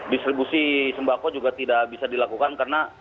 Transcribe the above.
distribusi sembako juga tidak bisa dilakukan karena